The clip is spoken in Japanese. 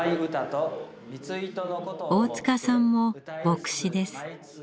大塚さんも牧師です。